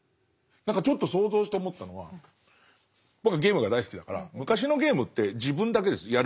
何かちょっと想像して思ったのは僕はゲームが大好きだから昔のゲームって自分だけです。